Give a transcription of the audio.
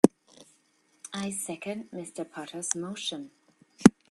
I second Mr. Potter's motion.